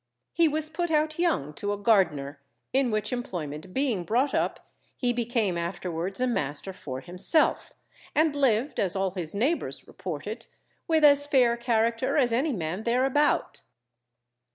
He was put out young to a gardener, in which employment being brought up, he became afterwards a master for himself, and lived, as all his neighbours report it, with as fair character as any man thereabout.